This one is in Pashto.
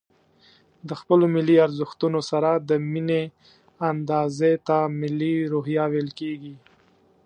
د خپلو ملي ارزښتونو سره د ميني اندازې ته ملي روحيه ويل کېږي.